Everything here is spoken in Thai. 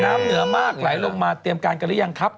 น้ำเหนือมากไหลลงมาเตรียมการกันหรือยังครับ